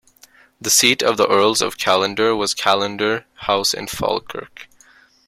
The seat of the Earls of Callendar was Callendar House in Falkirk.